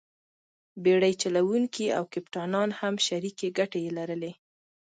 بېړۍ چلوونکي او کپټانان هم شریکې ګټې یې لرلې.